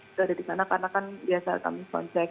sudah ada di sana karena kan biasa kami soncek